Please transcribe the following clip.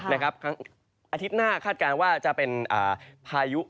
อาทิตย์หน้าคาดการณ์ว่าจะเป็นพายุ